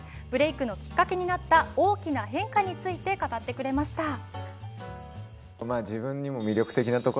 ブレイクのきっかけになった大きな変化について語ってくれました。